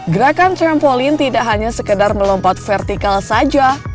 gerakan trampolin tidak hanya sekedar melompat vertikal saja